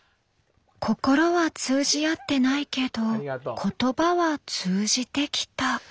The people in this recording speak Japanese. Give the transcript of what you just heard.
心は通じ合ってないけど言葉は通じてきた。